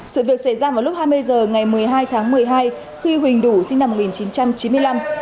sự việc xảy ra vào lúc hai mươi h ngày một mươi hai tháng một mươi hai khi huỳnh đủ sinh năm một nghìn chín trăm chín mươi năm